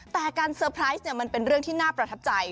แต่การเตอร์ไพรส์มันเป็นเรื่องที่น่าประทับใจ